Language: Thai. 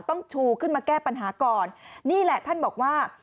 ต้องชูขึ้นมาแก้ปัญหาก่อนนี่แหละท่านบอกว่า